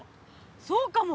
そうかも！